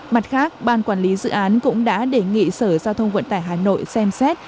mặt khác ban quản lý dự án cũng đã đề nghị sở giao thông vận tải hà nội xem xét